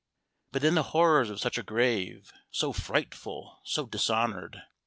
But then the horrors of such a grave! so frightful, so dishonored!